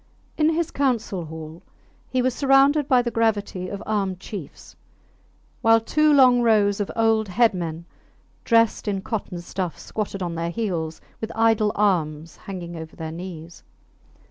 In his council hall he was surrounded by the gravity of armed chiefs, while two long rows of old headmen dressed in cotton stuffs squatted on their heels, with idle arms hanging over their knees.